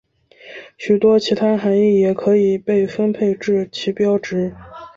许多其他含意也可以被分配至旗标值。